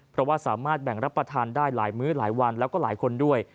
เพราะว่าสามารถแบ่งรับประทานได้หลายมื้อหลายวันแล้วก็หลายคนด้วย